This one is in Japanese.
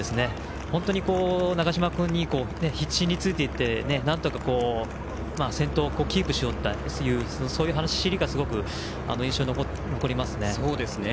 本当に長嶋君に必死についていってなんとか先頭をキープしようとしている走りがすごく印象に残りますね。